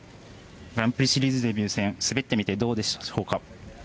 グランプリシリーズデビュー戦滑ってみてどうでしたでしょうか？